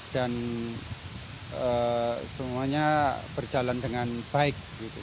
dan semuanya berjalan dengan baik